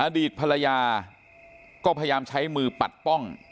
อดีตภรรยาก็พยายามใช้มือปัดป้อง